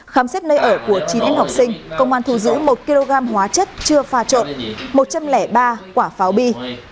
khám xét nơi ở của chín em học sinh công an thu giữ một kg hóa chất chưa pha trộn một trăm linh ba quả pháo bi